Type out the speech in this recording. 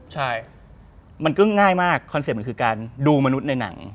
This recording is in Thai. ใช่มันก็ง่ายมากคอนเซ็ตมันคือการดูมนุษย์ในหนัง